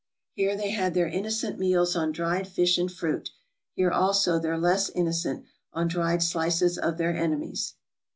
Here they had their innocent meals on dried fish and fruit, here also their less innocent, on dried slices of their enemies.